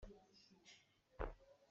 Zilawng puai ah Mandalay ah a kal.